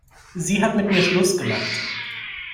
Sie hat mit mir Schluss gemacht.